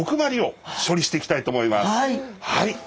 はい。